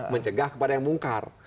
mencegah kepada yang mungkar